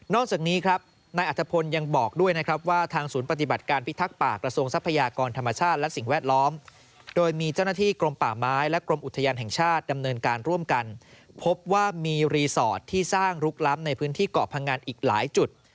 จากนี้ครับนายอัธพลยังบอกด้วยนะครับว่าทางศูนย์ปฏิบัติการพิทักษ์ป่ากระทรวงทรัพยากรธรรมชาติและสิ่งแวดล้อมโดยมีเจ้าหน้าที่กรมป่าไม้และกรมอุทยานแห่งชาติดำเนินการร่วมกันพบว่ามีรีสอร์ทที่สร้างลุกล้ำในพื้นที่เกาะพังอันอีกหลายจุด